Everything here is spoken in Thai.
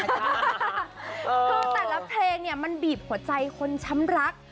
คือแต่ละเพลงเนี่ยมันบีบหัวใจคนช้ำรัก